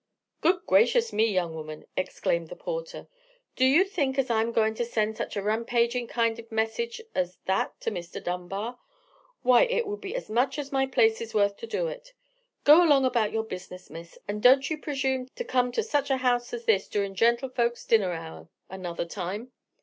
"Good gracious me, young woman!" exclaimed the porter, "do you think as I'm goin' to send such a rampagin' kind of a message as that to Mr. Dunbar? Why, it would be as much as my place is worth to do it. Go along about your business, miss; and don't you preshume to come to such a house as this durin' gentlefolks' dinner hours another time.